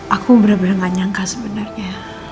aku bener bener gak nyangka sebenernya